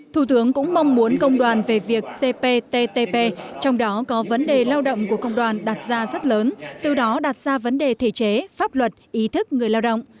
thủ tướng cũng mong muốn công đoàn về việc cptp trong đó có vấn đề lao động của công đoàn đặt ra rất lớn từ đó đặt ra vấn đề thể chế pháp luật ý thức người lao động